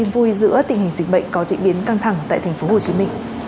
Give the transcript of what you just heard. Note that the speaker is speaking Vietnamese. vui giữa tình hình dịch bệnh có diễn biến căng thẳng tại tp hcm